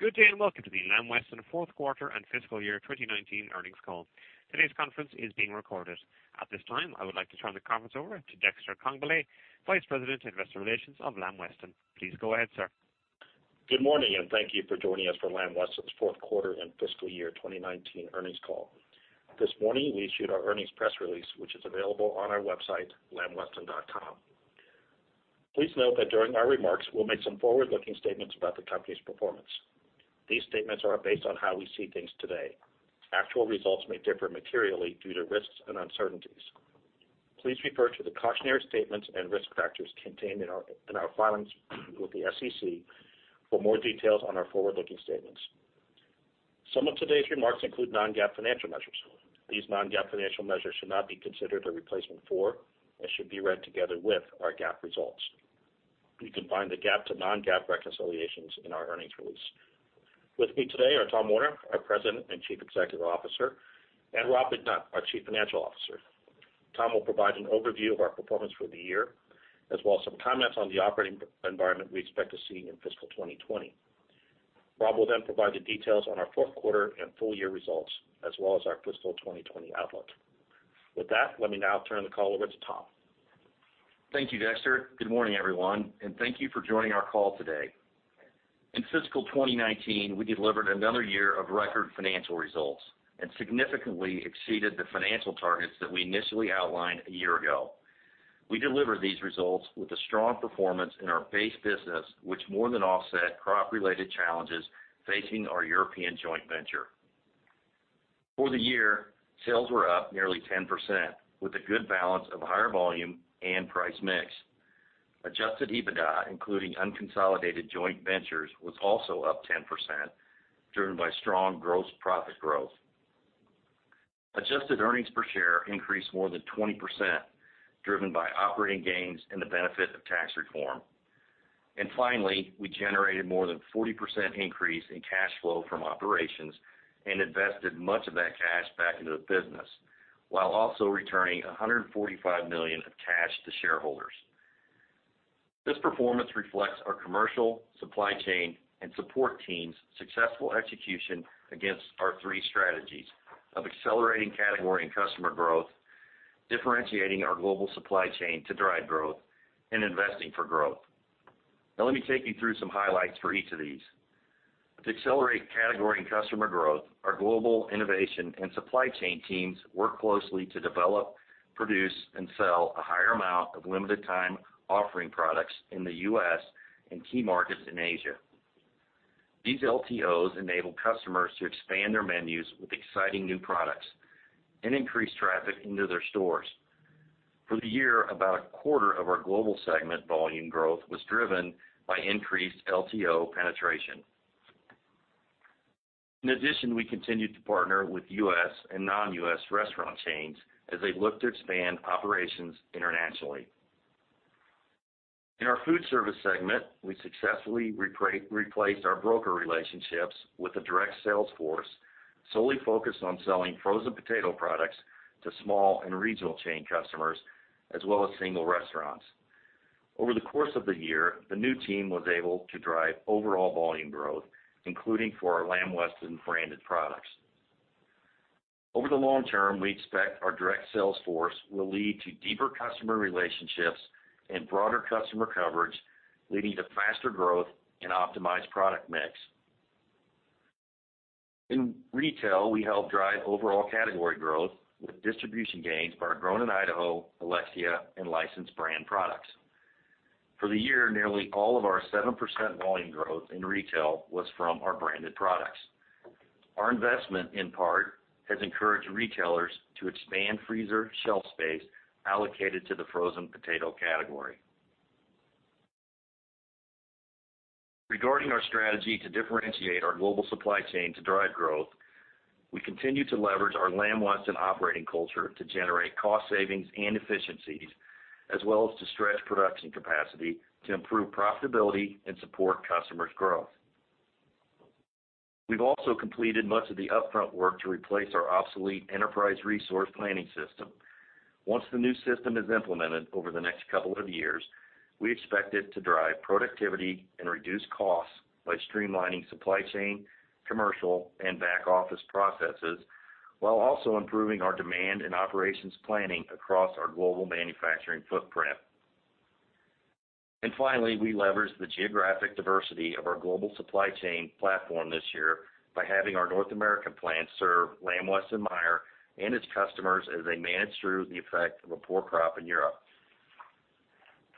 Good day. Welcome to the Lamb Weston fourth quarter and fiscal year 2019 earnings call. Today's conference is being recorded. At this time, I would like to turn the conference over to Dexter Congbalay, Vice President, Investor Relations of Lamb Weston. Please go ahead, sir. Good morning. Thank you for joining us for Lamb Weston's fourth quarter and fiscal year 2019 earnings call. This morning, we issued our earnings press release, which is available on our website, lambweston.com. Please note that during our remarks, we'll make some forward-looking statements about the company's performance. These statements are based on how we see things today. Actual results may differ materially due to risks and uncertainties. Please refer to the cautionary statements and risk factors contained in our filings with the SEC for more details on our forward-looking statements. Some of today's remarks include non-GAAP financial measures. These non-GAAP financial measures should not be considered a replacement for, and should be read together with, our GAAP results. You can find the GAAP to non-GAAP reconciliations in our earnings release. With me today are Tom Werner, our President and Chief Executive Officer, and Rob McNutt, our Chief Financial Officer. Tom will provide an overview of our performance for the year, as well as some comments on the operating environment we expect to see in fiscal 2020. Rob will then provide the details on our fourth quarter and full year results, as well as our fiscal 2020 outlook. With that, let me now turn the call over to Tom. Thank you, Dexter. Good morning, everyone, and thank you for joining our call today. In fiscal 2019, we delivered another year of record financial results and significantly exceeded the financial targets that we initially outlined a year ago. We delivered these results with a strong performance in our base business, which more than offset crop-related challenges facing our European joint venture. For the year, sales were up nearly 10%, with a good balance of higher volume and price mix. Adjusted EBITDA, including unconsolidated joint ventures, was also up 10%, driven by strong gross profit growth. Adjusted earnings per share increased more than 20%, driven by operating gains and the benefit of tax reform. Finally, we generated more than a 40% increase in cash flow from operations and invested much of that cash back into the business, while also returning $145 million of cash to shareholders. This performance reflects our commercial, supply chain, and support teams' successful execution against our three strategies of accelerating category and customer growth, differentiating our global supply chain to drive growth, and investing for growth. Now, let me take you through some highlights for each of these. To accelerate category and customer growth, our global innovation and supply chain teams worked closely to develop, produce, and sell a higher amount of limited time offering products in the U.S. and key markets in Asia. These LTOs enable customers to expand their menus with exciting new products and increase traffic into their stores. For the year, about a quarter of our Global segment volume growth was driven by increased LTO penetration. In addition, we continued to partner with U.S. and non-U.S. restaurant chains as they look to expand operations internationally. In our Foodservice segment, we successfully replaced our broker relationships with a direct sales force solely focused on selling frozen potato products to small and regional chain customers, as well as single restaurants. Over the course of the year, the new team was able to drive overall volume growth, including for our Lamb Weston branded products. Over the long-term, we expect our direct sales force will lead to deeper customer relationships and broader customer coverage, leading to faster growth and optimized product mix. In retail, we helped drive overall category growth with distribution gains for our Grown In Idaho, Alexia, and licensed brand products. For the year, nearly all of our 7% volume growth in retail was from our branded products. Our investment, in part, has encouraged retailers to expand freezer shelf space allocated to the frozen potato category. Regarding our strategy to differentiate our global supply chain to drive growth, we continue to leverage our Lamb Weston operating culture to generate cost savings and efficiencies, as well as to stretch production capacity to improve profitability and support customers' growth. We've also completed much of the upfront work to replace our obsolete enterprise resource planning system. Once the new system is implemented over the next couple of years, we expect it to drive productivity and reduce costs by streamlining supply chain, commercial, and back-office processes, while also improving our demand and operations planning across our global manufacturing footprint. Finally, we leveraged the geographic diversity of our global supply chain platform this year by having our North American plants serve Lamb-Weston/Meijer and its customers as they manage through the effect of a poor crop in Europe.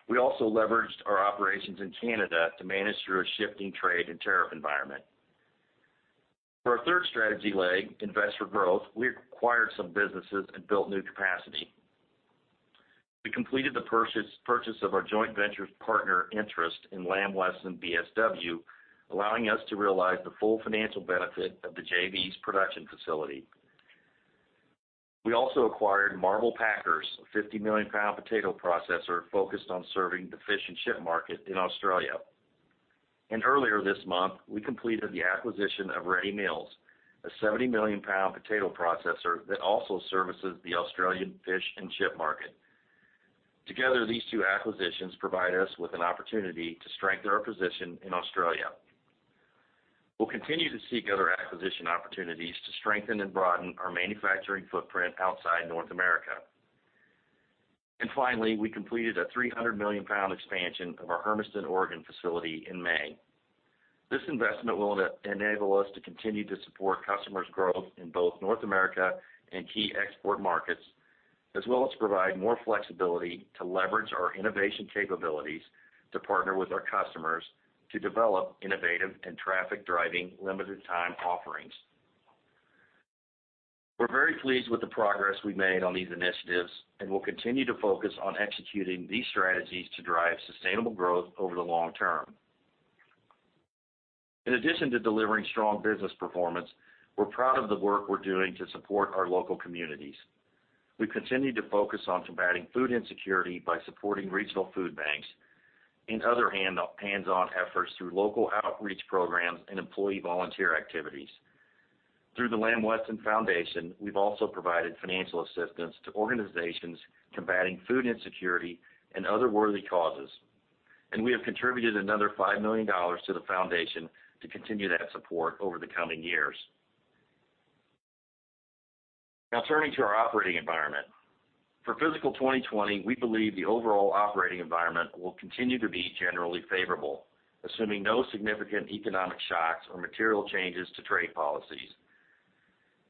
We also leveraged our operations in Canada to manage through a shifting trade and tariff environment. For our third strategy leg, invest for growth, we acquired some businesses and built new capacity. We completed the purchase of our joint venture partner interest in Lamb Weston BSW, allowing us to realize the full financial benefit of the JV's production facility. We also acquired Marvel Packers, a 50-million-pound potato processor focused on serving the fish and chip market in Australia. Earlier this month, we completed the acquisition of Ready Meals, a 70-million-pound potato processor that also services the Australian fish and chip market. Together, these two acquisitions provide us with an opportunity to strengthen our position in Australia. We'll continue to seek other acquisition opportunities to strengthen and broaden our manufacturing footprint outside North America. Finally, we completed a 300-million-pound expansion of our Hermiston, Oregon, facility in May. This investment will enable us to continue to support customers' growth in both North America and key export markets, as well as provide more flexibility to leverage our innovation capabilities to partner with our customers to develop innovative and traffic-driving Limited-Time Offerings. We're very pleased with the progress we've made on these initiatives, and we'll continue to focus on executing these strategies to drive sustainable growth over the long-term. In addition to delivering strong business performance, we're proud of the work we're doing to support our local communities. We've continued to focus on combating food insecurity by supporting regional food banks and other hands-on efforts through local outreach programs and employee volunteer activities. Through the Lamb Weston Foundation, we've also provided financial assistance to organizations combating food insecurity and other worthy causes. We have contributed another $5 million to the Foundation to continue that support over the coming years. Turning to our operating environment. For fiscal 2020, we believe the overall operating environment will continue to be generally favorable, assuming no significant economic shocks or material changes to trade policies.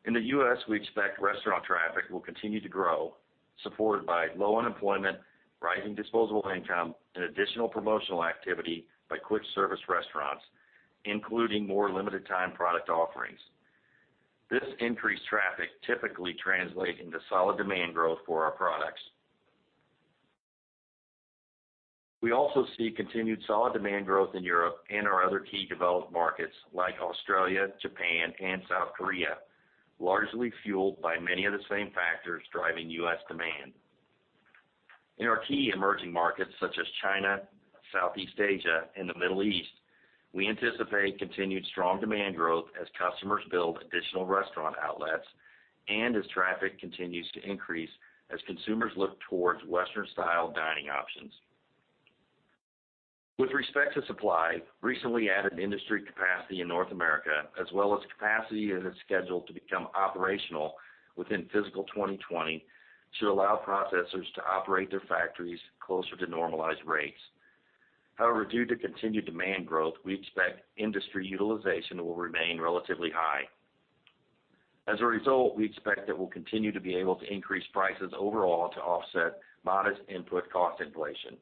In the U.S., we expect restaurant traffic will continue to grow, supported by low unemployment, rising disposable income, and additional promotional activity by quick service restaurants, including more limited time product offerings. This increased traffic typically translate into solid demand growth for our products. We also see continued solid demand growth in Europe and our other key developed markets like Australia, Japan, and South Korea, largely fueled by many of the same factors driving U.S. demand. In our key emerging markets such as China, Southeast Asia, and the Middle East, we anticipate continued strong demand growth as customers build additional restaurant outlets and as traffic continues to increase as consumers look towards Western-style dining options. With respect to supply, recently added industry capacity in North America, as well as capacity that is scheduled to become operational within fiscal 2020, should allow processors to operate their factories closer to normalized rates. However, due to continued demand growth, we expect industry utilization will remain relatively high. As a result we expect that we'll continue to be able to increase prices overall to offset modest input cost inflation.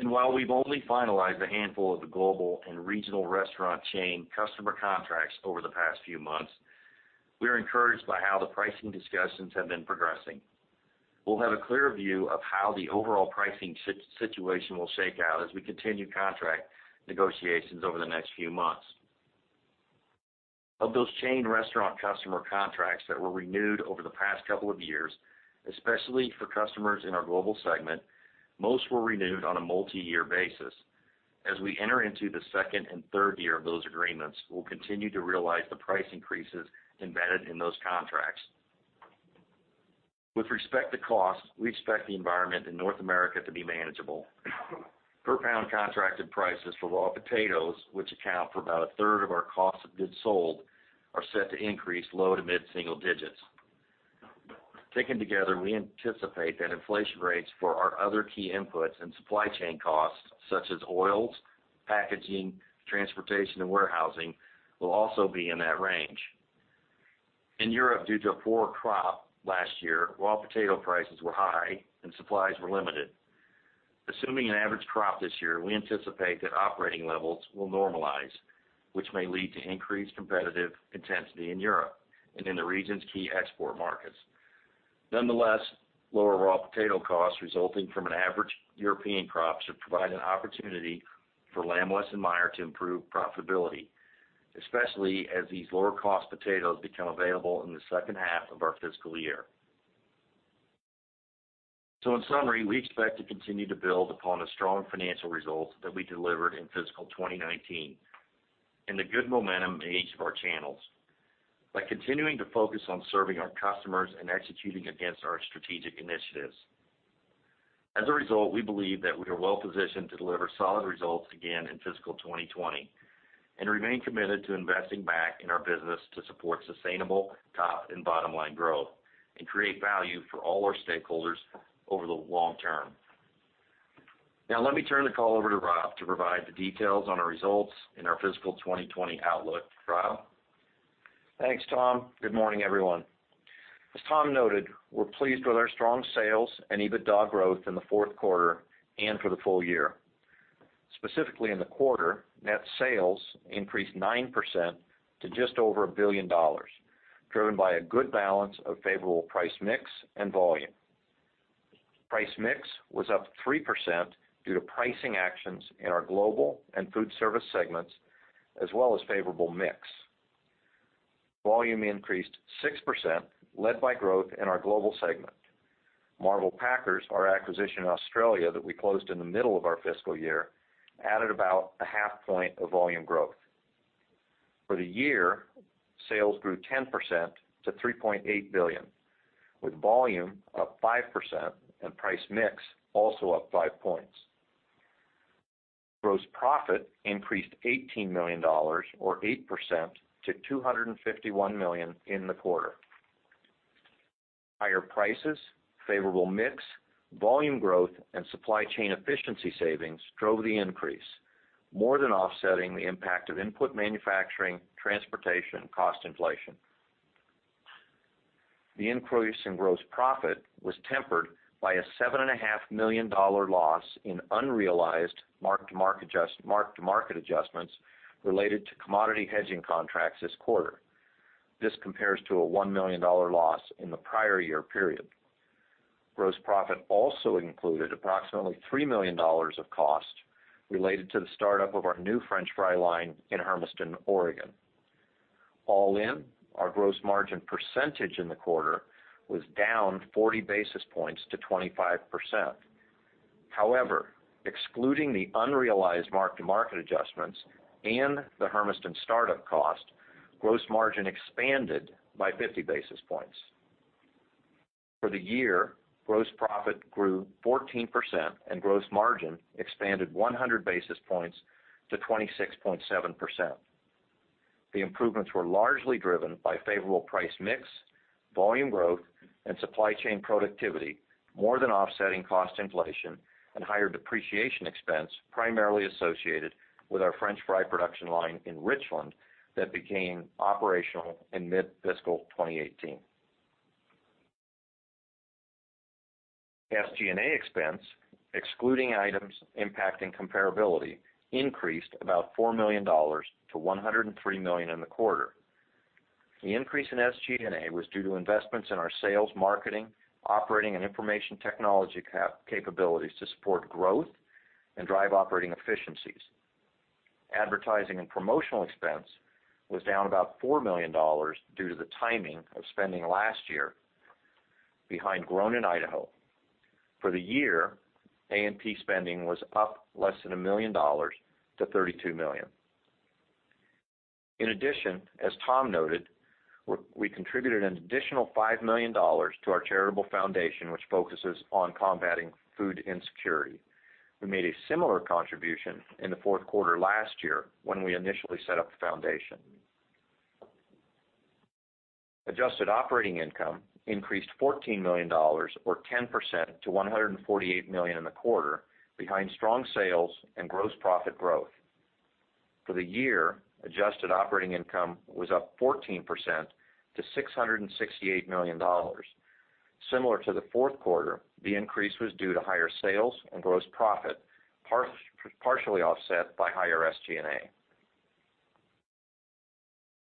While we've only finalized a handful of the global and regional restaurant chain customer contracts over the past few months, we're encouraged by how the pricing discussions have been progressing. We'll have a clearer view of how the overall pricing situation will shake out as we continue contract negotiations over the next few months. Of those chain restaurant customer contracts that were renewed over the past couple of years, especially for customers in our Global segment, most were renewed on a multi-year basis. As we enter into the second and third year of those agreements, we'll continue to realize the price increases embedded in those contracts. With respect to cost, we expect the environment in North America to be manageable. Per pound contracted prices for raw potatoes, which account for about a third of our cost of goods sold, are set to increase low to mid-single digits. Taken together, we anticipate that inflation rates for our other key inputs and supply chain costs such as oils, packaging, transportation, and warehousing, will also be in that range. In Europe, due to a poor crop last year, raw potato prices were high and supplies were limited. Assuming an average crop this year, we anticipate that operating levels will normalize, which may lead to increased competitive intensity in Europe and in the region's key export markets. Nonetheless, lower raw potato costs resulting from an average European crop should provide an opportunity for Lamb Weston and Meijer to improve profitability, especially as these lower cost potatoes become available in the second half of our fiscal year. In summary, we expect to continue to build upon the strong financial results that we delivered in fiscal 2019, and the good momentum in each of our channels by continuing to focus on serving our customers and executing against our strategic initiatives. As a result, we believe that we are well-positioned to deliver solid results again in fiscal 2020, and remain committed to investing back in our business to support sustainable top and bottom line growth and create value for all our stakeholders over the long-term. Now let me turn the call over to Rob to provide the details on our results and our fiscal 2020 outlook. Rob? Thanks, Tom. Good morning, everyone. As Tom noted, we're pleased with our strong sales and EBITDA growth in the fourth quarter and for the full year. Specifically in the quarter, net sales increased 9% to just over $1 billion, driven by a good balance of favorable price mix and volume. Price mix was up 3% due to pricing actions in our Global and Foodservice segments, as well as favorable mix. Volume increased 6%, led by growth in our Global segment. Marvel Packers, our acquisition in Australia that we closed in the middle of our fiscal year, added about a 0.5 point of volume growth. For the year, sales grew 10% to $3.8 billion, with volume up 5% and price mix also up 5 points. Gross profit increased $18 million or 8% to $251 million in the quarter. Higher prices, favorable mix, volume growth, and supply chain efficiency savings drove the increase, more than offsetting the impact of input manufacturing, transportation, cost inflation. The increase in gross profit was tempered by a $7.5 million loss in unrealized mark-to-market adjustments related to commodity hedging contracts this quarter. This compares to a $1 million loss in the prior year period. Gross profit also included approximately $3 million of cost related to the startup of our new french fry line in Hermiston, Oregon. All in, our gross margin percentage in the quarter was down 40 basis points to 25%. However, excluding the unrealized mark-to-market adjustments and the Hermiston startup cost, gross margin expanded by 50 basis points. For the year, gross profit grew 14% and gross margin expanded 100 basis points to 26.7%. The improvements were largely driven by favorable price mix, volume growth, and supply chain productivity, more than offsetting cost inflation and higher depreciation expense, primarily associated with our french fry production line in Richland that became operational in mid-fiscal 2018. SG&A expense, excluding items impacting comparability, increased about $4 million to $103 million in the quarter. The increase in SG&A was due to investments in our sales, marketing, operating and information technology capabilities to support growth and drive operating efficiencies. Advertising and promotional expense was down about $4 million due to the timing of spending last year behind Grown In Idaho. For the year, A&P spending was up less than $1 million to $32 million. In addition, as Tom noted, we contributed an additional $5 million to our charitable foundation, which focuses on combating food insecurity. We made a similar contribution in the fourth quarter last year when we initially set up the foundation. Adjusted Operating Income increased $14 million or 10% to $148 million in the quarter behind strong sales and gross profit growth. For the year, Adjusted Operating Income was up 14% to $668 million. Similar to the fourth quarter, the increase was due to higher sales and gross profit, partially offset by higher SG&A.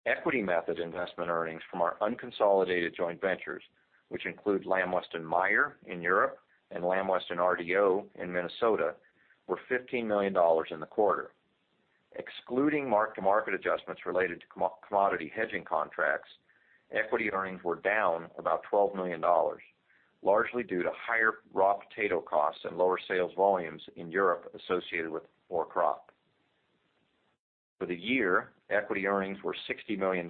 Equity Method Investment Earnings from our unconsolidated joint ventures, which include Lamb-Weston/Meijer in Europe and Lamb Weston/RDO Frozen in Minnesota, were $15 million in the quarter. Excluding mark-to-market adjustments related to commodity hedging contracts, equity earnings were down about $12 million, largely due to higher raw potato costs and lower sales volumes in Europe associated with poor crop. For the year, equity earnings were $60 million.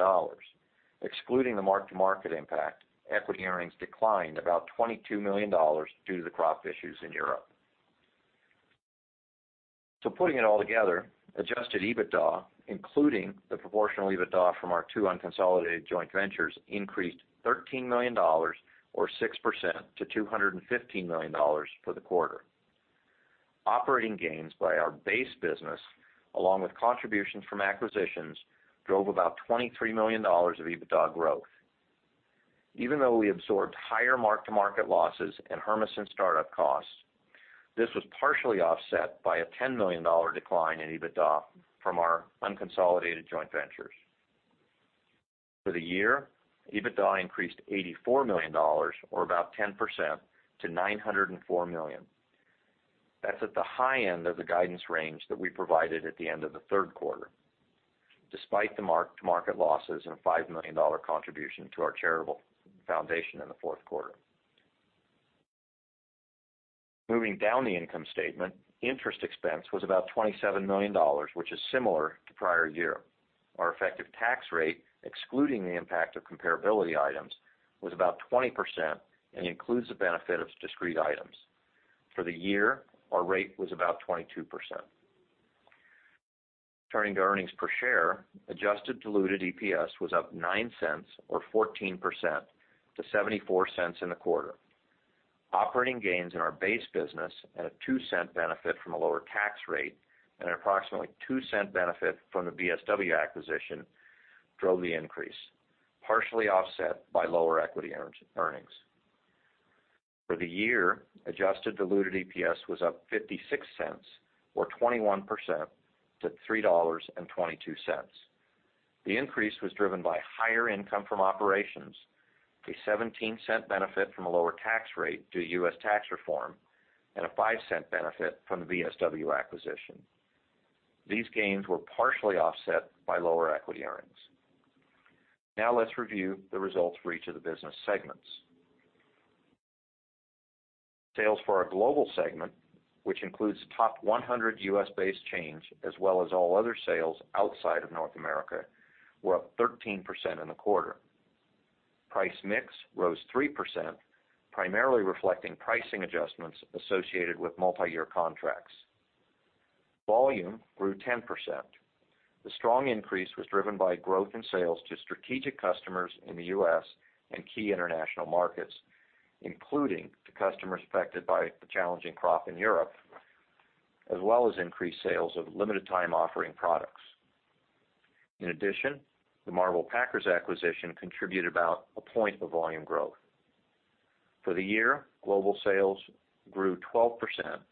Excluding the mark-to-market impact, equity earnings declined about $22 million due to the crop issues in Europe. Putting it all together, Adjusted EBITDA, including the proportional EBITDA from our two unconsolidated joint ventures, increased $13 million or 6% to $215 million for the quarter. Operating gains by our base business, along with contributions from acquisitions, drove about $23 million of EBITDA growth. Even though we absorbed higher mark-to-market losses and Hermiston startup costs, this was partially offset by a $10 million decline in EBITDA from our unconsolidated joint ventures. For the year, EBITDA increased $84 million or about 10% to $904 million. That's at the high end of the guidance range that we provided at the end of the third quarter, despite the mark-to-market losses and a $5 million contribution to our charitable foundation in the fourth quarter. Moving down the income statement, interest expense was about $27 million, which is similar to prior year. Our effective tax rate, excluding the impact of comparability items, was about 20% and includes the benefit of discrete items. For the year, our rate was about 22%. Turning to earnings per share, adjusted diluted EPS was up $0.09 or 14% to $0.74 in the quarter. Operating gains in our base business at a $0.02 benefit from a lower tax rate and approximately $0.02 benefit from the BSW acquisition drove the increase, partially offset by lower equity earnings. For the year, adjusted diluted EPS was up $0.56 or 21% to $3.22. The increase was driven by higher income from operations, a $0.17 benefit from a lower tax rate due to U.S. tax reform, and a $0.05 benefit from the BSW acquisition. These gains were partially offset by lower equity earnings. Let's review the results for each of the business segments. Sales for our Global segment, which includes top 100 U.S.-based chains, as well as all other sales outside of North America, were up 13% in the quarter. Price mix rose 3%, primarily reflecting pricing adjustments associated with multi-year contracts. Volume grew 10%. The strong increase was driven by growth in sales to strategic customers in the U.S. and key international markets, including the customers affected by the challenging crop in Europe, as well as increased sales of Limited-Time Offer products. In addition, the Marvel Packers acquisition contributed about one point of volume growth. For the year, Global sales grew 12%,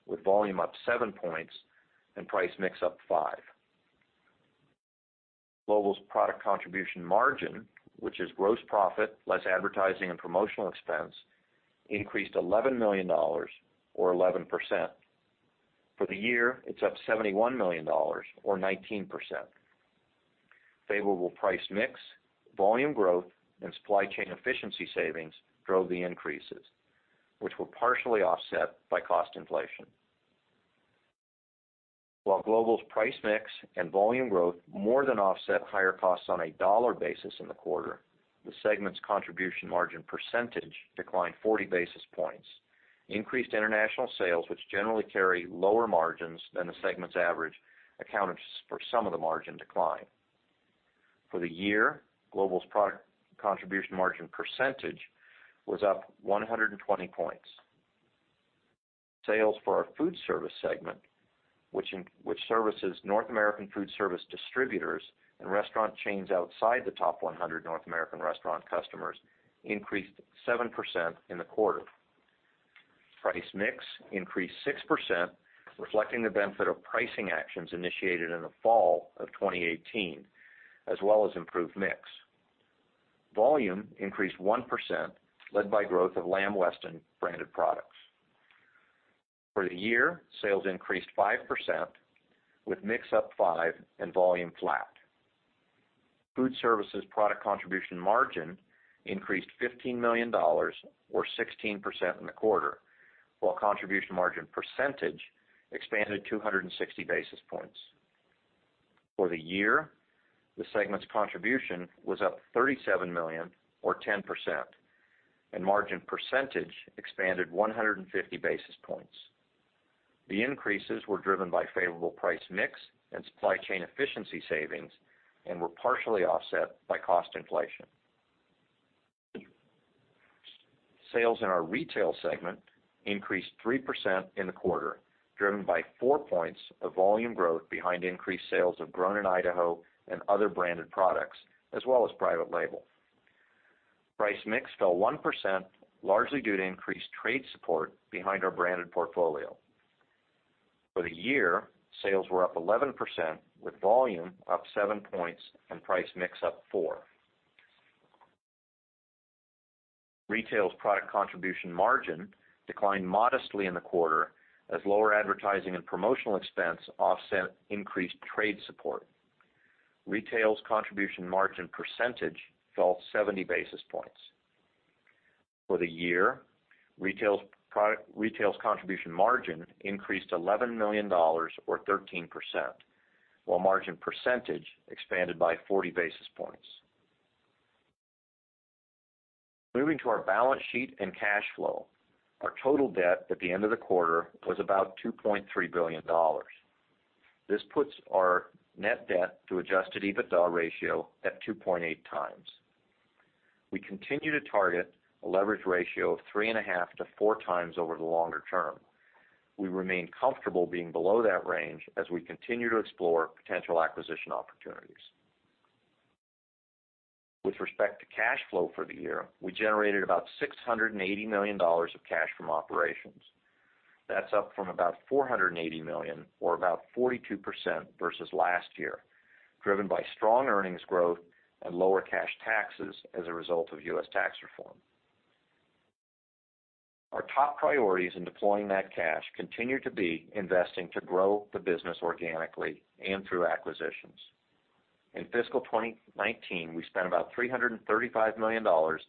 with volume up 7 points and price mix up 5. Global's product contribution margin, which is gross profit less advertising and promotional expense, increased $11 million or 11%. For the year, it's up $71 million or 19%. Favorable price mix, volume growth, and supply chain efficiency savings drove the increases, which were partially offset by cost inflation. While Global's price mix and volume growth more than offset higher costs on a dollar basis in the quarter, the segment's contribution margin percentage declined 40 basis points. Increased international sales, which generally carry lower margins than the segment's average, accounted for some of the margin decline. For the year, Global's product contribution margin percentage was up 120 points. Sales for our Foodservice segment, which services North American foodservice distributors and restaurant chains outside the top 100 North American restaurant customers, increased 7% in the quarter. Price mix increased 6%, reflecting the benefit of pricing actions initiated in the fall of 2018, as well as improved mix. Volume increased 1%, led by growth of Lamb Weston branded products. For the year, sales increased 5%, with mix up 5% and volume flat. Foodservice's product contribution margin increased $15 million, or 16%, in the quarter, while contribution margin percentage expanded 260 basis points. For the year, the segment's contribution was up $37 million or 10%, and margin percentage expanded 150 basis points. The increases were driven by favorable price mix and supply chain efficiency savings and were partially offset by cost inflation. Sales in our Retail segment increased 3% in the quarter, driven by 4 points of volume growth behind increased sales of Grown In Idaho and other branded products, as well as private label. Price mix fell 1%, largely due to increased trade support behind our branded portfolio. For the year, sales were up 11%, with volume up 7 points and price mix up 4%. Retail's product contribution margin declined modestly in the quarter as lower advertising and promotional expense offset increased trade support. Retail's contribution margin percentage fell 70 basis points. For the year, Retail's contribution margin increased $11 million or 13%, while margin percentage expanded by 40 basis points. Moving to our balance sheet and cash flow. Our total debt at the end of the quarter was about $2.3 billion. This puts our net debt to Adjusted EBITDA ratio at 2.8x. We continue to target a leverage ratio of 3.5x-4x over the longer-term. We remain comfortable being below that range as we continue to explore potential acquisition opportunities. With respect to cash flow for the year, we generated about $680 million of cash from operations. That's up from about $480 million, or about 42% versus last year, driven by strong earnings growth and lower cash taxes as a result of U.S. tax reform. Our top priorities in deploying that cash continue to be investing to grow the business organically and through acquisitions. In fiscal 2019, we spent about $335 million on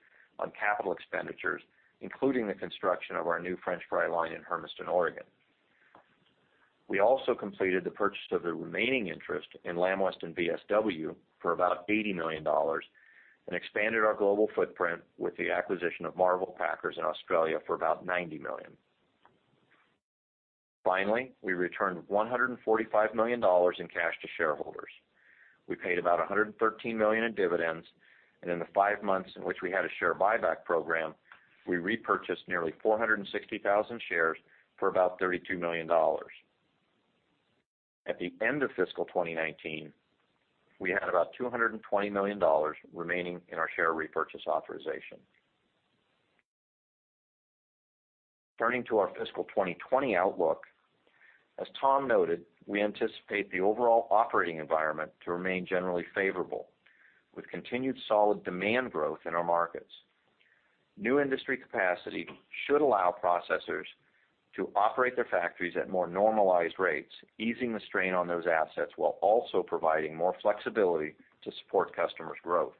capital expenditures, including the construction of our new french fry line in Hermiston, Oregon. We also completed the purchase of the remaining interest in Lamb Weston BSW for about $80 million and expanded our global footprint with the acquisition of Marvel Packers in Australia for about $90 million. Finally, we returned $145 million in cash to shareholders. We paid about $113 million in dividends, and in the five months in which we had a share buyback program, we repurchased nearly 460,000 shares for about $32 million. At the end of fiscal 2019, we had about $220 million remaining in our share repurchase authorization. Turning to our fiscal 2020 outlook. As Tom noted, we anticipate the overall operating environment to remain generally favorable, with continued solid demand growth in our markets. New industry capacity should allow processors to operate their factories at more normalized rates, easing the strain on those assets while also providing more flexibility to support customers' growth.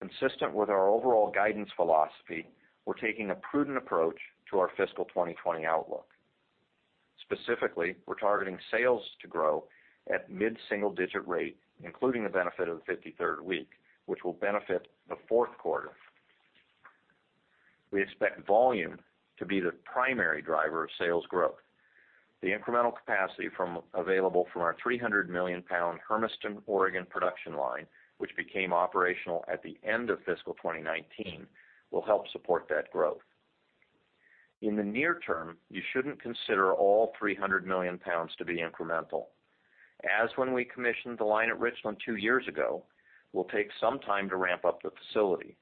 Consistent with our overall guidance philosophy, we're taking a prudent approach to our fiscal 2020 outlook. Specifically, we're targeting sales to grow at mid-single digit rate, including the benefit of the 53rd week, which will benefit the fourth quarter. We expect volume to be the primary driver of sales growth. The incremental capacity available from our 300 million pound Hermiston, Oregon production line, which became operational at the end of fiscal 2019, will help support that growth. In the near-term, you shouldn't consider all 300 million pounds to be incremental. As when we commissioned the line at Richland two years ago, we'll take some time to ramp up the facility.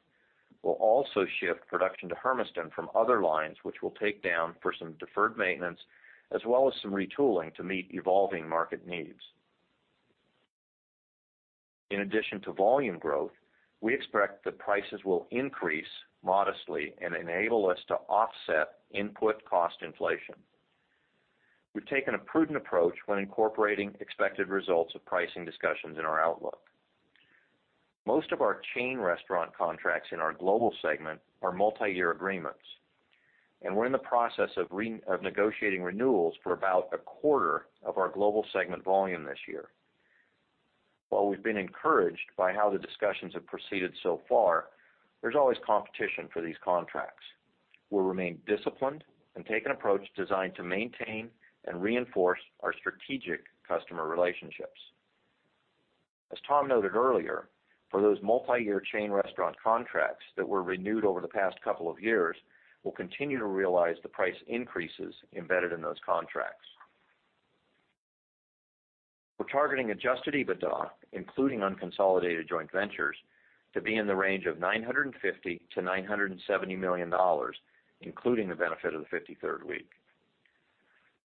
We'll also shift production to Hermiston from other lines, which we'll take down for some deferred maintenance, as well as some retooling to meet evolving market needs. In addition to volume growth, we expect that prices will increase modestly and enable us to offset input cost inflation. We've taken a prudent approach when incorporating expected results of pricing discussions in our outlook. Most of our chain restaurant contracts in our Global segment are multi-year agreements, and we're in the process of negotiating renewals for about a quarter of our Global segment volume this year. While we've been encouraged by how the discussions have proceeded so far, there's always competition for these contracts. We'll remain disciplined and take an approach designed to maintain and reinforce our strategic customer relationships. As Tom noted earlier, for those multi-year chain restaurant contracts that were renewed over the past couple of years, we'll continue to realize the price increases embedded in those contracts. We're targeting Adjusted EBITDA, including unconsolidated joint ventures, to be in the range of $950 million-$970 million, including the benefit of the 53rd week.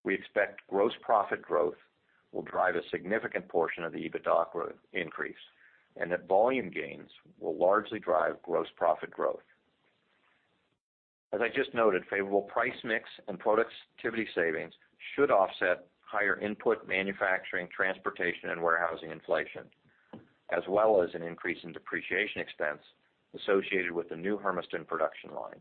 We expect gross profit growth will drive a significant portion of the EBITDA increase, and that volume gains will largely drive gross profit growth. As I just noted, favorable price mix and productivity savings should offset higher input manufacturing, transportation, and warehousing inflation, as well as an increase in depreciation expense associated with the new Hermiston production line.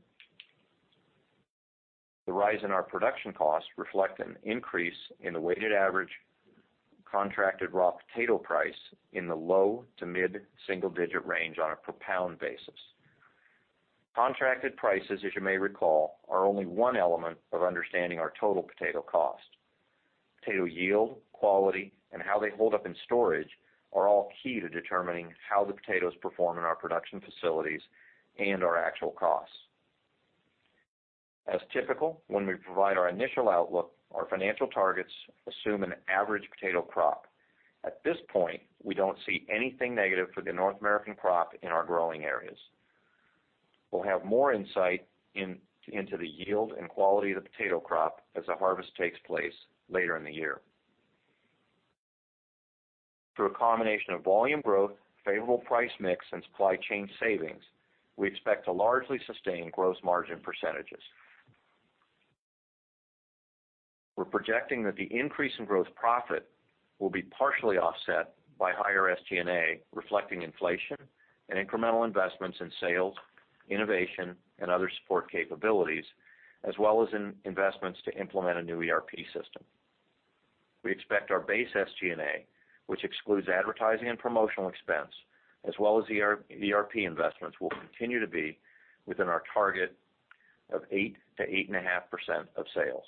The rise in our production costs reflect an increase in the weighted average contracted raw potato price in the low to mid-single digit range on a per pound basis. Contracted prices, as you may recall, are only one element of understanding our total potato cost. Potato yield, quality, and how they hold up in storage are all key to determining how the potatoes perform in our production facilities and our actual costs. As typical, when we provide our initial outlook, our financial targets assume an average potato crop. At this point, we don't see anything negative for the North American crop in our growing areas. We'll have more insight into the yield and quality of the potato crop as the harvest takes place later in the year. Through a combination of volume growth, favorable price mix, and supply chain savings, we expect to largely sustain gross margin percentages. We're projecting that the increase in gross profit will be partially offset by higher SG&A, reflecting inflation and incremental investments in sales, innovation, and other support capabilities, as well as in investments to implement a new ERP system. We expect our base SG&A, which excludes advertising and promotional expense, as well as ERP investments, will continue to be within our target of 8%-8.5% of sales.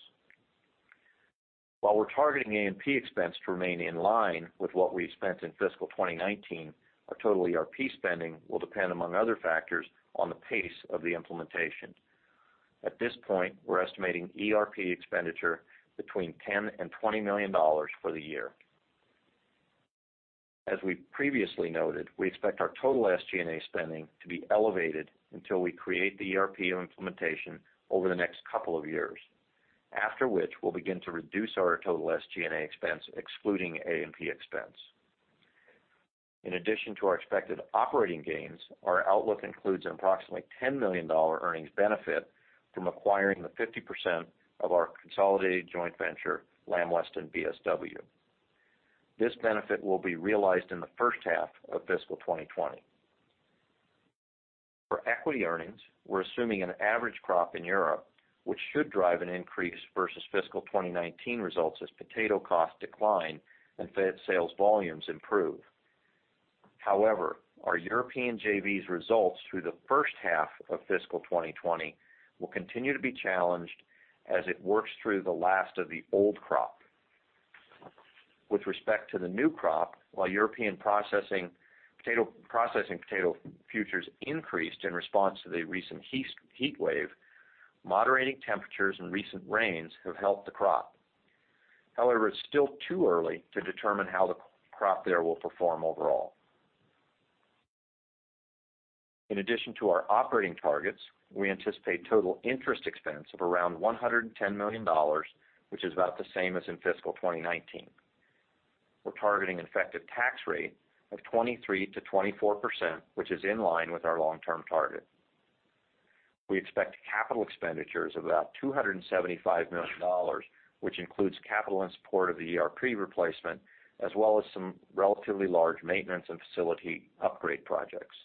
While we're targeting A&P expense to remain in line with what we spent in fiscal 2019, our total ERP spending will depend, among other factors, on the pace of the implementation. At this point, we're estimating ERP expenditure between $10 million and $20 million for the year. As we previously noted, we expect our total SG&A spending to be elevated until we create the ERP implementation over the next couple of years, after which we'll begin to reduce our total SG&A expense, excluding A&P expense. In addition to our expected operating gains, our outlook includes an approximately $10 million earnings benefit from acquiring the 50% of our consolidated joint venture, Lamb Weston BSW. This benefit will be realized in the first half of fiscal 2020. For equity earnings, we're assuming an average crop in Europe, which should drive an increase versus fiscal 2019 results as potato costs decline and sales volumes improve. However, our European JV's results through the first half of fiscal 2020 will continue to be challenged as it works through the last of the old crop. With respect to the new crop, while European processing potato futures increased in response to the recent heatwave, moderating temperatures and recent rains have helped the crop. However, it's still too early to determine how the crop there will perform overall. In addition to our operating targets, we anticipate total interest expense of around $110 million, which is about the same as in fiscal 2019. We're targeting an effective tax rate of 23%-24%, which is in line with our long-term target. We expect capital expenditures of about $275 million, which includes capital in support of the ERP replacement, as well as some relatively large maintenance and facility upgrade projects.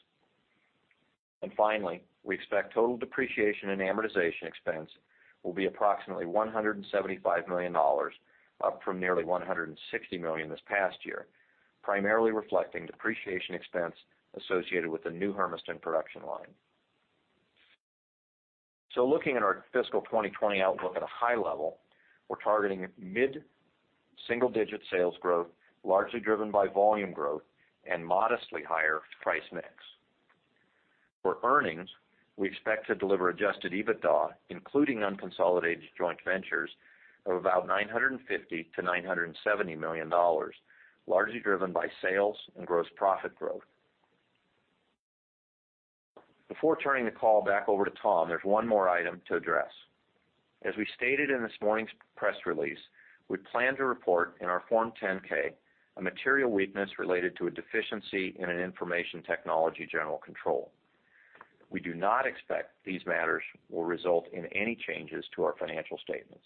Finally, we expect total depreciation and amortization expense will be approximately $175 million, up from nearly $160 million this past year, primarily reflecting depreciation expense associated with the new Hermiston production line. Looking at our fiscal 2020 outlook at a high-level, we're targeting mid-single-digit sales growth, largely driven by volume growth and modestly higher price mix. For earnings, we expect to deliver Adjusted EBITDA, including unconsolidated joint ventures, of about $950 million-$970 million, largely driven by sales and gross profit growth. Before turning the call back over to Tom, there's one more item to address. As we stated in this morning's press release, we plan to report in our Form 10-K a material weakness related to a deficiency in an information technology general control. We do not expect these matters will result in any changes to our financial statements.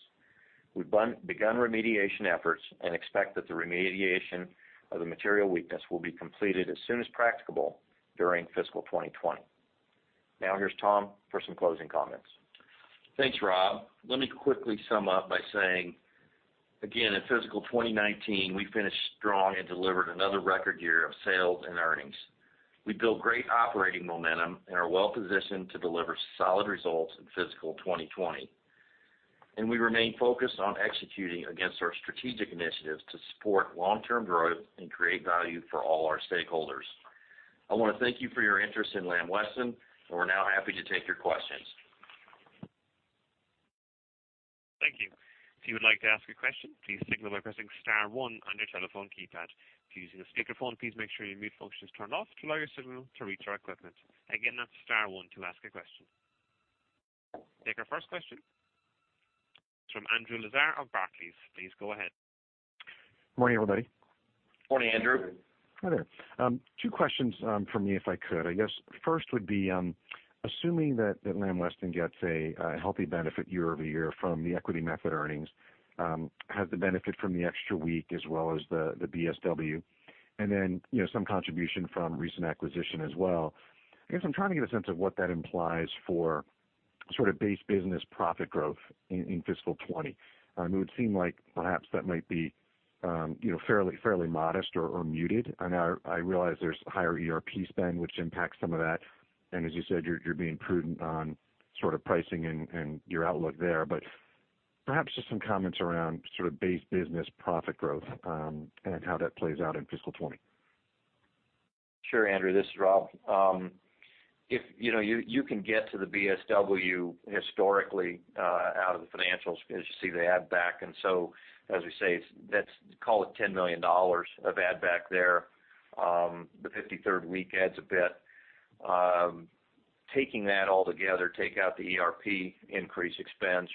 We've begun remediation efforts and expect that the remediation of the material weakness will be completed as soon as practicable during fiscal 2020. Here's Tom for some closing comments. Thanks, Rob. Let me quickly sum up by saying again, in fiscal 2019, we finished strong and delivered another record year of sales and earnings. We built great operating momentum and are well-positioned to deliver solid results in fiscal 2020. We remain focused on executing against our strategic initiatives to support long-term growth and create value for all our stakeholders. I want to thank you for your interest in Lamb Weston, and we're now happy to take your questions. Thank you. If you would like to ask a question, please signal by pressing star one on your telephone keypad. If you're using a speakerphone, please make sure your mute function is turned off to allow your signal to reach our equipment. Again, that's star one to ask a question. Take our first question from Andrew Lazar of Barclays. Please go ahead. Morning, everybody. Morning, Andrew. Hi there. Two questions from me, if I could. I guess first would be, assuming that Lamb Weston gets a healthy benefit year-over-year from the equity method earnings, has the benefit from the extra week as well as the BSW, and then some contribution from recent acquisition as well. I guess I'm trying to get a sense of what that implies for sort of base business profit growth in fiscal 2020. It would seem like perhaps that might be fairly modest or muted. I know I realize there's higher ERP spend, which impacts some of that. As you said, you're being prudent on sort of pricing and your outlook there, but perhaps just some comments around sort of base business profit growth and how that plays out in fiscal 2020. Sure, Andrew, this is Rob. You can get to the BSW historically out of the financials because you see the add back, and so as we say, call it $10 million of add back there. The 53rd week adds a bit. Taking that all together, take out the ERP increase expense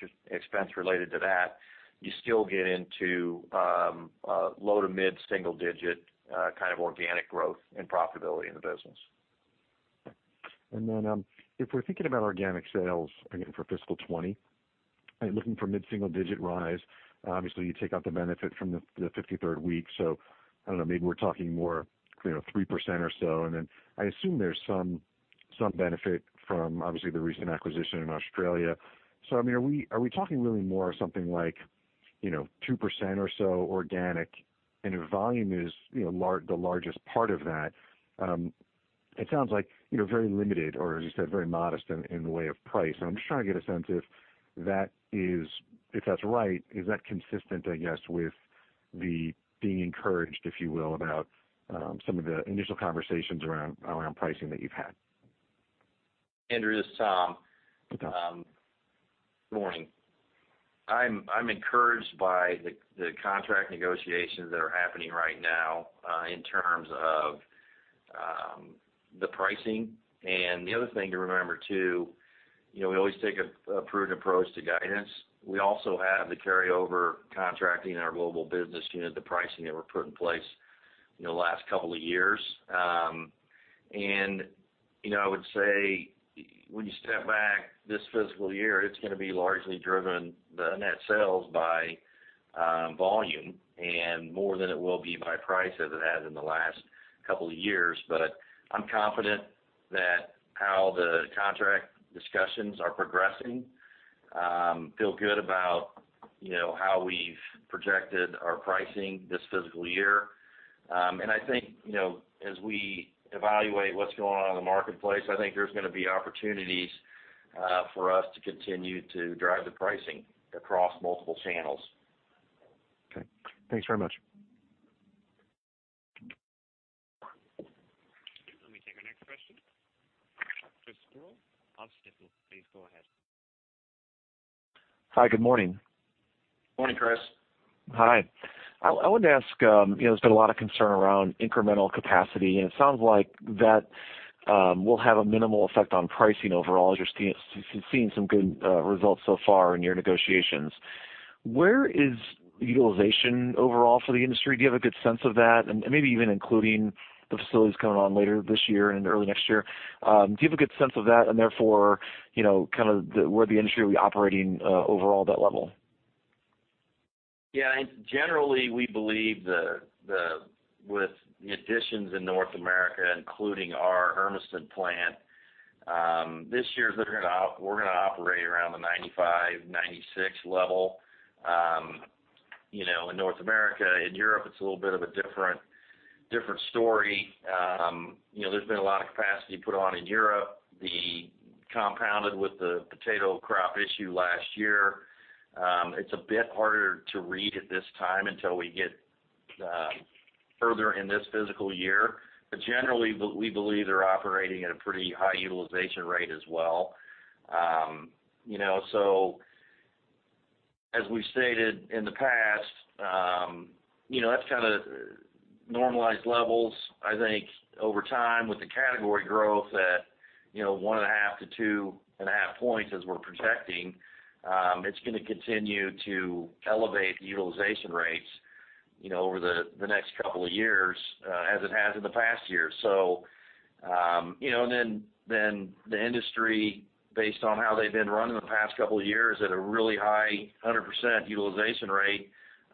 related to that, you still get into low to mid-single-digit kind of organic growth and profitability in the business. If we're thinking about organic sales again for fiscal 2020 and looking for mid-single-digit rise, obviously you take out the benefit from the 53rd week, so I don't know, maybe we're talking more 3% or so. I assume there's some benefit from obviously the recent acquisition in Australia. I mean, are we talking really more something like 2% or so organic? If volume is the largest part of that, it sounds like you're very limited or as you said, very modest in the way of price. I'm just trying to get a sense if that's right, is that consistent, I guess, with the being encouraged, if you will, about some of the initial conversations around pricing that you've had? Andrew, this is Tom. Morning. I'm encouraged by the contract negotiations that are happening right now in terms of the pricing. The other thing to remember, too, we always take a prudent approach to guidance. We also have the carryover contracting in our Global business unit, the pricing that were put in place in the last couple of years. I would say when you step back this fiscal year, it's going to be largely driven the net sales by volume and more than it will be by price as it has in the last couple of years. I'm confident that how the contract discussions are progressing, feel good about how we've projected our pricing this fiscal year. I think as we evaluate what's going on in the marketplace, I think there's going to be opportunities for us to continue to drive the pricing across multiple channels. Okay. Thanks very much. Let me take our next question. Chris Growe of Stifel, please go ahead. Hi, good morning. Morning, Chris. Hi. I wanted to ask, there's been a lot of concern around incremental capacity, and it sounds like that will have a minimal effect on pricing overall as you're seeing some good results so far in your negotiations. Where is utilization overall for the industry? Do you have a good sense of that, maybe even including the facilities coming on later this year and early next year. Do you have a good sense of that and therefore, kind of where the industry will be operating overall at that level? Yeah, generally we believe with the additions in North America, including our Hermiston plant, this year we're going to operate around the 95, 96 level in North America. In Europe, it's a little bit of a different story. There's been a lot of capacity put on in Europe, compounded with the potato crop issue last year. It's a bit harder to read at this time until we get further in this physical year. Generally, we believe they're operating at a pretty high utilization rate as well. As we stated in the past, that's kind of normalized levels. I think over time with the category growth at 1.5 to 2.5 points as we're projecting, it's going to continue to elevate utilization rates over the next couple of years, as it has in the past year. The industry, based on how they've been running the past couple of years at a really high 100% utilization rate,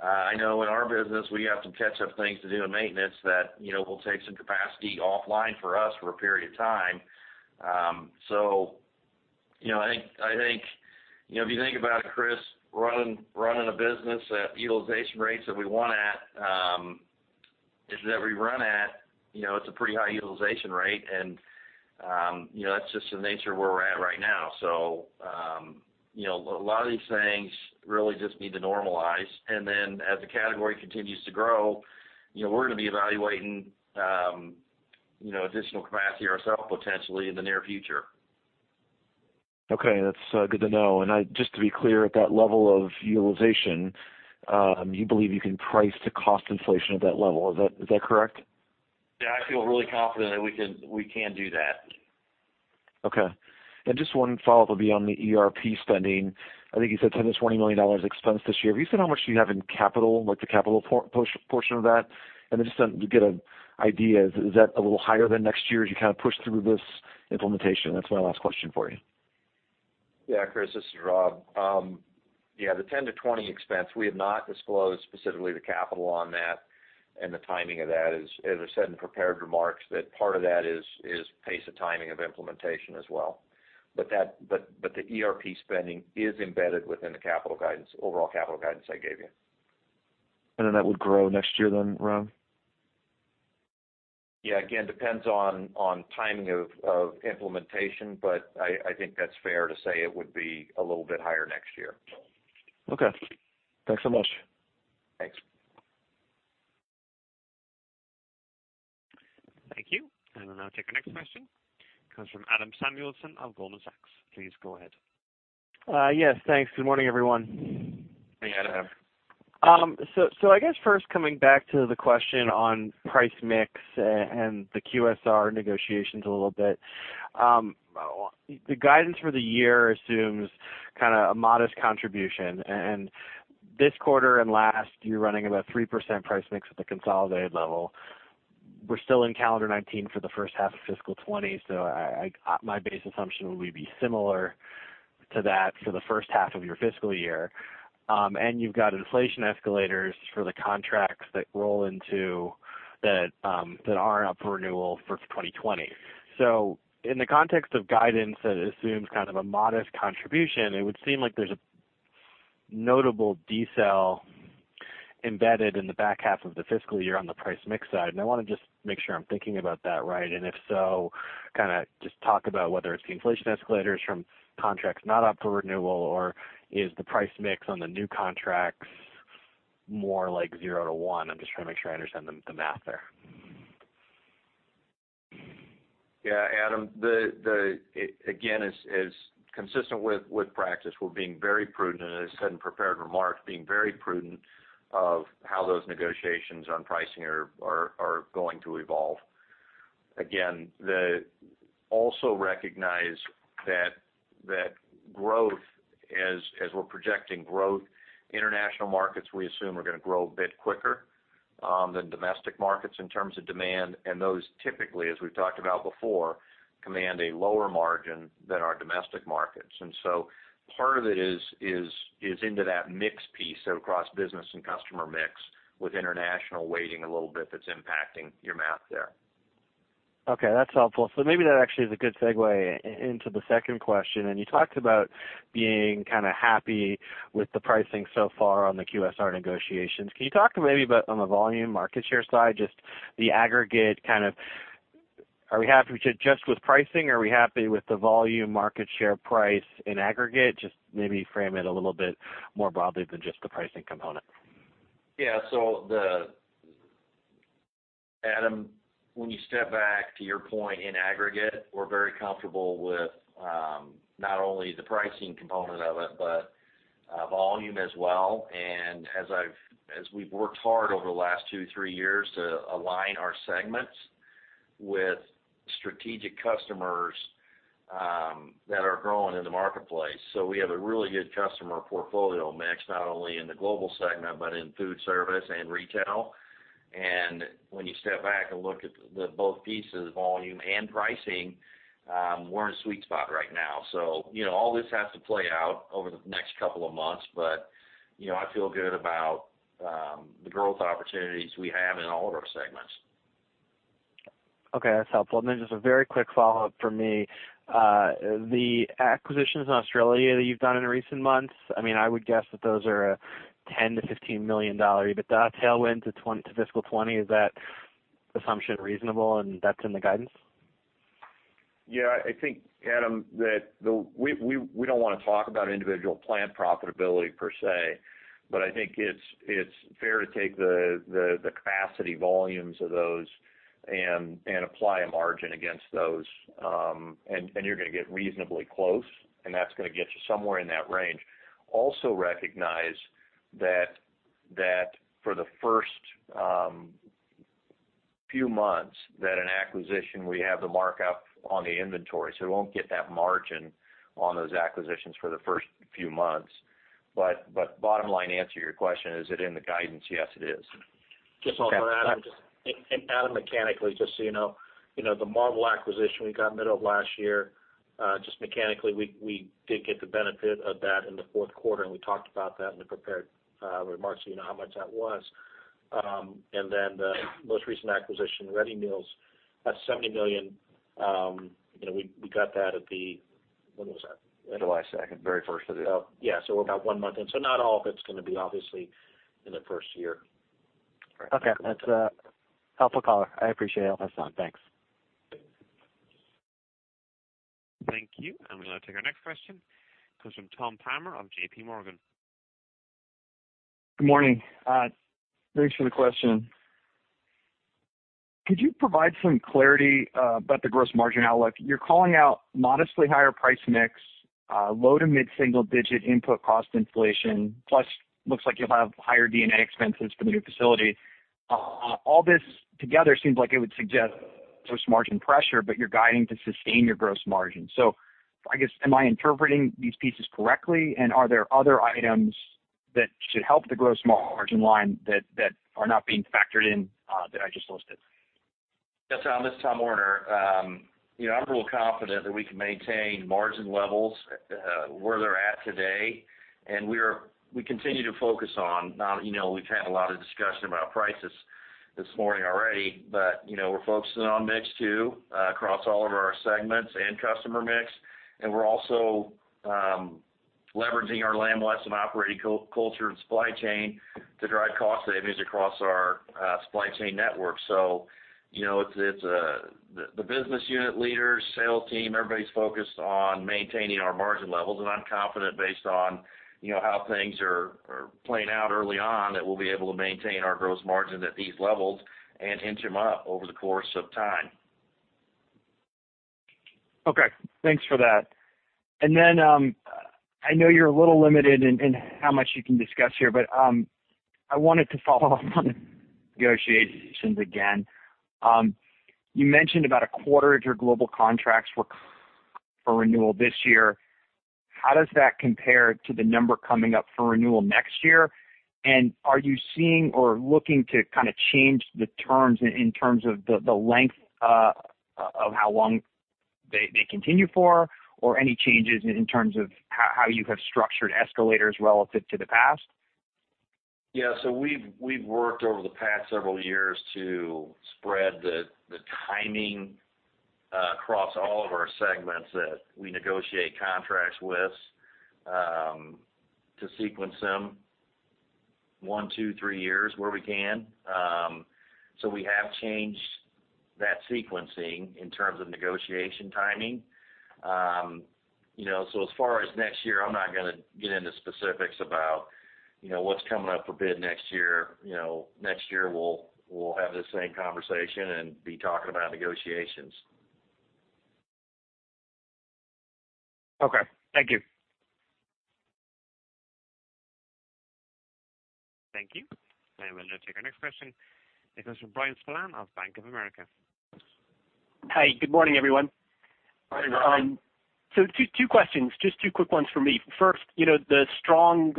I know in our business we have some catch up things to do in maintenance that will take some capacity offline for us for a period of time. I think if you think about it, Chris, running a business at utilization rates that we run at, it's a pretty high utilization rate, and that's just the nature where we're at right now. A lot of these things really just need to normalize, and then as the category continues to grow, we're going to be evaluating additional capacity ourselves potentially in the near future. Okay. That's good to know. Just to be clear, at that level of utilization, you believe you can price to cost inflation at that level. Is that correct? Yeah. I feel really confident that we can do that. Okay. Just one follow-up will be on the ERP spending. I think you said $10 million-$20 million expense this year. Have you said how much you have in capital, like the capital portion of that? Just to get an idea, is that a little higher than next year as you kind of push through this implementation? That's my last question for you. Yeah, Chris, this is Rob. Yeah, the $10 million-$20 million expense, we have not disclosed specifically the capital on that and the timing of that. As I said in prepared remarks, that part of that is pace of timing of implementation as well. The ERP spending is embedded within the overall capital guidance I gave you. That would grow next year then, Rob? Yeah. Again, depends on timing of implementation, but I think that's fair to say it would be a little bit higher next year. Okay. Thanks so much. Thanks. Thank you. I'll now take our next question. Comes from Adam Samuelson of Goldman Sachs. Please go ahead. Yes, thanks. Good morning, everyone. Hey, Adam. I guess first coming back to the question on price mix and the QSR negotiations a little bit. The guidance for the year assumes kind of a modest contribution. This quarter and last, you're running about 3% price mix at the consolidated level. We're still in calendar 2019 for the first half of fiscal 2020, my base assumption would be similar to that for the first half of your fiscal year. You've got inflation escalators for the contracts that roll into that are up for renewal for 2020. In the context of guidance that assumes kind of a modest contribution, it would seem like there's a notable decel embedded in the back half of the fiscal year on the price mix side. I want to just make sure I'm thinking about that right, and if so, kind of just talk about whether it's the inflation escalators from contracts not up for renewal, or is the price mix on the new contracts more like zero to one? I'm just trying to make sure I understand the math there. Adam, again, as consistent with practice, we're being very prudent, and as I said in prepared remarks, being very prudent of how those negotiations on pricing are going to evolve. Also recognize that growth, as we're projecting growth, international markets we assume are going to grow a bit quicker than domestic markets in terms of demand. Those typically, as we've talked about before, command a lower margin than our domestic markets. Part of it is into that mix piece. Across business and customer mix with international weighting a little bit, that's impacting your math there. Okay, that's helpful. Maybe that actually is a good segue into the second question. You talked about being kind of happy with the pricing so far on the QSR negotiations. Can you talk maybe about on the volume market share side, just the aggregate kind of, are we happy just with pricing, or are we happy with the volume market share price in aggregate? Just maybe frame it a little bit more broadly than just the pricing component? Yeah. Adam, when you step back to your point in aggregate, we're very comfortable with not only the pricing component of it, but volume as well. As we've worked hard over the last two, three years to align our segments with strategic customers that are growing in the marketplace. We have a really good customer portfolio mix, not only in the Global segment but in Foodservice and Retail. When you step back and look at both pieces, volume and pricing, we're in a sweet spot right now. All this has to play out over the next couple of months, but I feel good about the growth opportunities we have in all of our segments. Okay. That's helpful. Then just a very quick follow-up from me. The acquisitions in Australia that you've done in recent months, I would guess that those are a $10 million-$15 million EBITDA tailwind to fiscal 2020. Is that assumption reasonable and that's in the guidance? Yeah. I think, Adam, that we don't want to talk about individual plant profitability per se, but I think it's fair to take the capacity volumes of those and apply a margin against those, and you're going to get reasonably close, and that's going to get you somewhere in that range. Also recognize that for the first few months that an acquisition, we have the markup on the inventory, so we won't get that margin on those acquisitions for the first few months. Bottom line answer to your question, is it in the guidance? Yes, it is. Just to follow up on Adam, and Adam mechanically just so you know, the Marvel acquisition we got middle of last year, just mechanically, we did get the benefit of that in the fourth quarter, and we talked about that in the prepared remarks, so you know how much that was. Then the most recent acquisition, Ready Meals, that's $70 million. We got that at the When was that? July 2nd. Oh, yeah. About one month in. Not all of it's going to be obviously in the first year. Okay. That's a helpful color. I appreciate it. That's all. Thanks. Thank you. We'll now take our next question. Comes from Tom Palmer of JPMorgan. Good morning. Thanks for the question. Could you provide some clarity about the gross margin outlook? You're calling out modestly higher price mix, low to mid-single-digit input cost inflation, plus looks like you'll have higher D&A expenses for the new facility. All this together seems like it would suggest gross margin pressure, but you're guiding to sustain your gross margin. I guess, am I interpreting these pieces correctly? Are there other items that should help the gross margin line that are not being factored in that I just listed? Yes, Tom. This is Tom Werner. I'm real confident that we can maintain margin levels where they're at today. We've had a lot of discussion about prices this morning already, but we're focusing on mix too, across all of our segments and customer mix. We're also leveraging our Lamb Weston operating culture and supply chain to drive cost savings across our supply chain network. The business unit leaders, sales team, everybody's focused on maintaining our margin levels, and I'm confident based on how things are playing out early on, that we'll be able to maintain our gross margins at these levels and inch them up over the course of time. Okay. Thanks for that. I know you're a little limited in how much you can discuss here, but I wanted to follow up on negotiations again. You mentioned about a quarter of your Global contracts were for renewal this year. How does that compare to the number coming up for renewal next year? Are you seeing or looking to kind of change the terms in terms of the length of how long they continue for or any changes in terms of how you have structured escalators relative to the past? We've worked over the past several years to spread the timing across all of our segments that we negotiate contracts with to sequence them one, two, three years where we can. We have changed that sequencing in terms of negotiation timing. As far as next year, I'm not going to get into specifics about what's coming up for bid next year. Next year, we'll have the same conversation and be talking about negotiations. Okay. Thank you. Thank you. We'll now take our next question. It comes from Bryan Spillane of Bank of America. Hi. Good morning, everyone. Morning, Bryan. Two questions, just two quick ones from me. First, the strong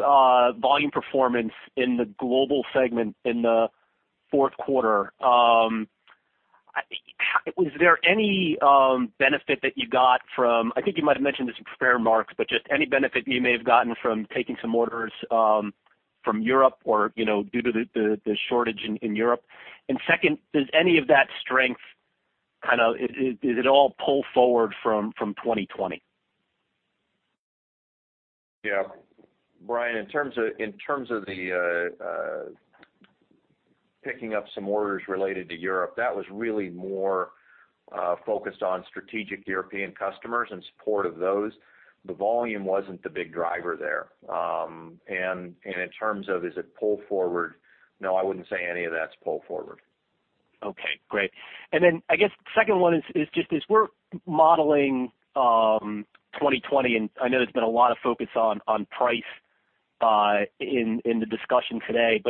volume performance in the Global segment in the fourth quarter. Was there any benefit that you got from, I think you might have mentioned this in prepared remarks, but just any benefit you may have gotten from taking some orders from Europe or due to the shortage in Europe? Second, does any of that strength kind of, does it all pull forward from 2020? Yeah. Bryan, in terms of the picking up some orders related to Europe, that was really more focused on strategic European customers in support of those. The volume wasn't the big driver there. In terms of is it pull forward? No, I wouldn't say any of that's pull forward. Okay, great. Then I guess the second one is just as we're modeling 2020, I know there's been a lot of focus on price in the discussion today.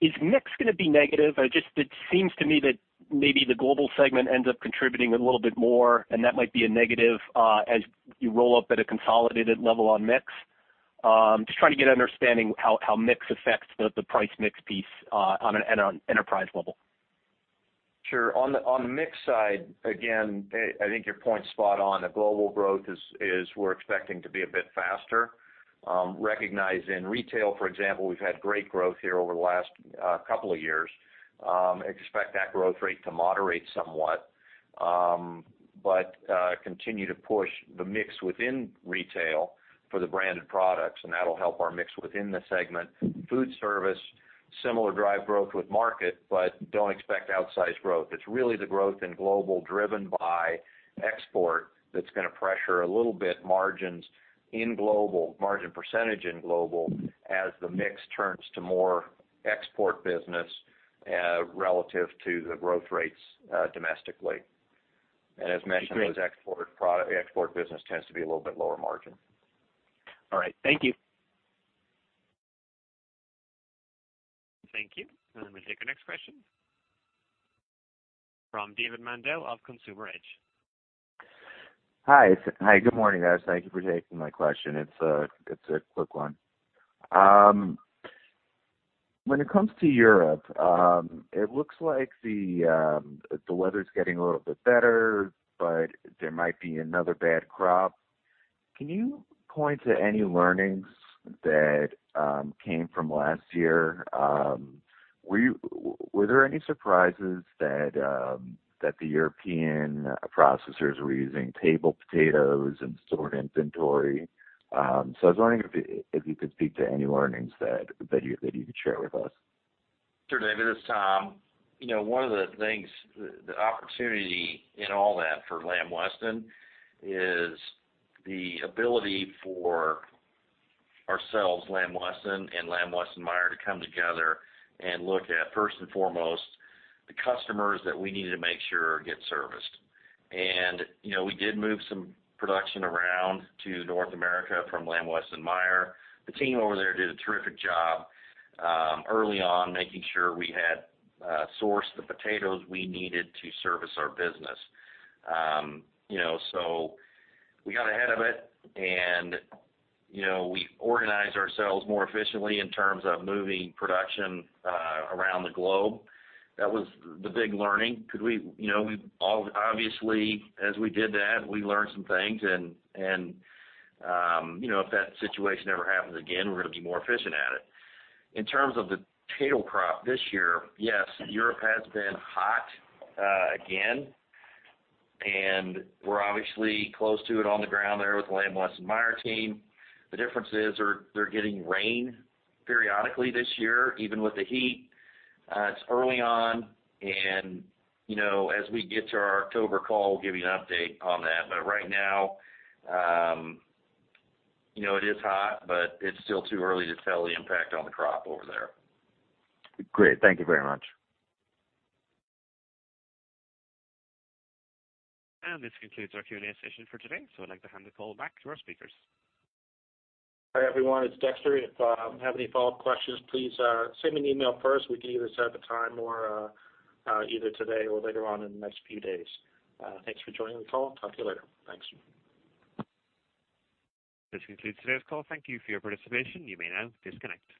Is mix going to be negative? It seems to me that maybe the Global segment ends up contributing a little bit more. That might be a negative as you roll up at a consolidated level on mix. Just trying to get an understanding how mix affects the price mix piece on an enterprise level. Sure. On the mix side, again, I think your point's spot on. The Global growth is we're expecting to be a bit faster. Recognize in retail, for example, we've had great growth here over the last couple of years. Expect that growth rate to moderate somewhat. Continue to push the mix within Retail for the branded products, and that'll help our mix within the segment. Foodservice, similar drive growth with market, but don't expect outsized growth. It's really the growth in Global driven by export that's going to pressure a little bit margin percentage in Global as the mix turns to more export business relative to the growth rates domestically. As mentioned, because export business tends to be a little bit lower margin. All right. Thank you. Thank you. We'll take our next question from David Mandel of Consumer Edge. Hi, good morning, guys. Thank you for taking my question. It's a quick one. When it comes to Europe, it looks like the weather's getting a little bit better, but there might be another bad crop. Can you point to any learnings that came from last year? Were there any surprises that the European processors were using table potatoes and stored inventory? I was wondering if you could speak to any learnings that you could share with us. Sure, David, it's Tom. One of the things, the opportunity in all that for Lamb Weston is the ability for ourselves, Lamb Weston, and Lamb-Weston/Meijer to come together and look at, first and foremost, the customers that we need to make sure get serviced. We did move some production around to North America from Lamb-Weston/Meijer. The team over there did a terrific job early on, making sure we had sourced the potatoes we needed to service our business. We got ahead of it and we organized ourselves more efficiently in terms of moving production around the globe. That was the big learning. Obviously, as we did that, we learned some things and if that situation ever happens again, we're going to be more efficient at it. In terms of the potato crop this year, yes, Europe has been hot again, and we're obviously close to it on the ground there with the Lamb-Weston/Meijer team. The difference is they're getting rain periodically this year, even with the heat. It's early on and as we get to our October call, we'll give you an update on that. Right now, it is hot, but it's still too early to tell the impact on the crop over there. Great. Thank you very much. This concludes our Q&A session for today. I'd like to hand the call back to our speakers. Hi, everyone, it's Dexter. If you have any follow-up questions, please send me an email first. We can either set up a time either today or later on in the next few days. Thanks for joining the call. Talk to you later. Thanks. This concludes today's call. Thank you for your participation. You may now disconnect.